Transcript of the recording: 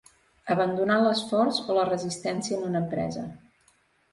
Abandonar l’esforç o la resistència en una empresa.